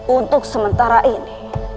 untuk sementara ini